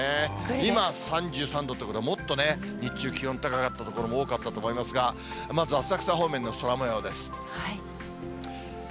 今、３３度ということは、もっとね、日中、気温高かった所も多かったと思いますが、まずは浅草方面の空もようです。